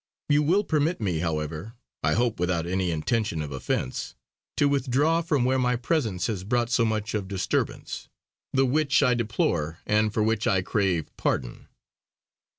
You will permit me, however, I hope without any intention of offence, to withdraw from where my presence has brought so much of disturbance; the which I deplore, and for which I crave pardon."